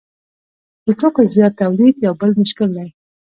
د توکو زیات تولید یو بل مشکل دی